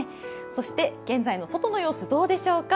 そして現在の外の様子どうでしょうか。